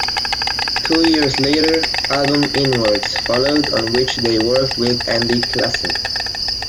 Two years later album Inwards followed, on which they worked with Andy Classen.